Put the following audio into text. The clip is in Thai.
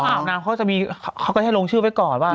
พอเขาอาบน้ำเขาก็จะให้ลงชื่อไว้ก่อนว่า